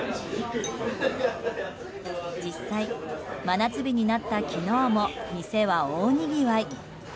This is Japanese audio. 実際、真夏日になった昨日も店は大にぎわい。